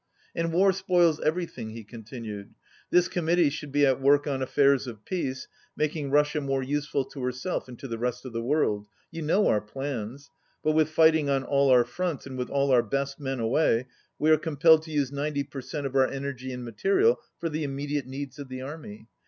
"And war spoils everything," he continued. "This committee should be at work on affairs of peace, making Russia more useful to herself and to the rest of the world. You know our plans. But with fighting on all our fronts, and with all our best men away, we are compelled to use ninety per cent, of our energy and material for the imme diate needs of the army.